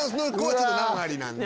ちょっと難ありなんで。